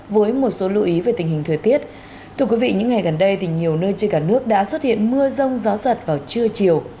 với một số lưu ý về tình hình thời tiết thưa quý vị những ngày gần đây thì nhiều nơi trên cả nước đã xuất hiện mưa rông gió giật vào trưa chiều